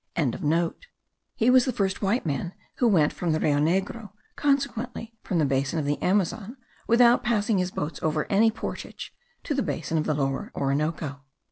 He was the first white man who went from the Rio Negro, consequently from the basin of the Amazon, without passing his boats over any portage, to the basin of the Lower Orinoco.